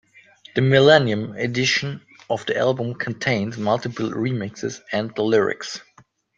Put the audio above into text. The millennium edition of the album contains multiple remixes and the lyrics.